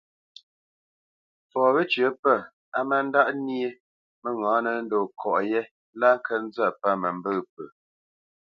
Fɔ wə́cyə pə̂ á má ndáʼ nyé mə́ŋǎnə ndo kɔʼ lá kə nzə̂t pə̂ məmbə̂ pə.